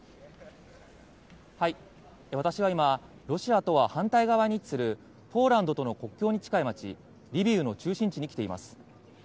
私は今、ロシアとは反対側に位置する、ポーランドとの国境に近い街、リビウの中心地に来ています。